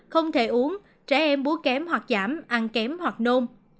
không thể uống trẻ em búa kém hoặc giảm ăn kém hoặc nôm